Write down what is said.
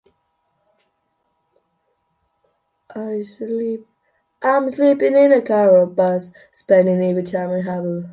This variant has little similarity with earlier Ausf.